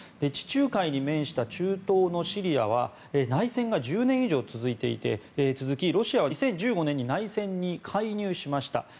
地中海に面した中東のシリアは内戦が１０年以上続きロシアは２０１５年に内戦に介入しました。